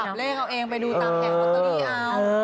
เป็นสลับเลขเอาเองไปดูตามแห่งอัตโตริอาว